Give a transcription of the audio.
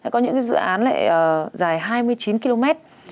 có những dự án lại dài hai mươi chín km